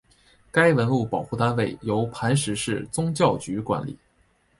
该文物保护单位由磐石市宗教局管理。